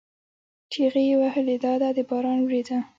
چیغې یې وهلې: دا ده د باران ورېځه!